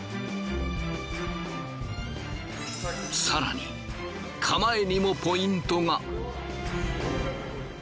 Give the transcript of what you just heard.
更に構えにもポイントが。